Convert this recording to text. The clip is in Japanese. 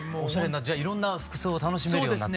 じゃあいろんな服装を楽しめるようになって。